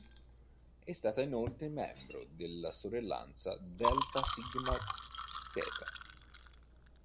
È stata inoltre membro della sorellanza Delta Sigma Theta.